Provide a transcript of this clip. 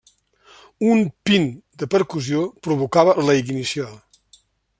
Un pin de percussió provocava la ignició.